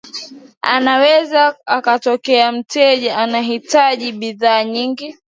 Anaweza akatokea mteja anayehitaji bidhaa nyingi